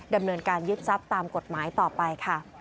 ดำเนินการยึดทรัพย์ตามกฎหมายต่อไปค่ะ